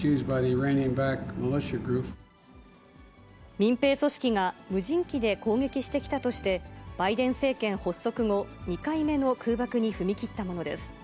民兵組織が無人機で攻撃してきたとして、バイデン政権発足後、２回目の空爆に踏み切ったものです。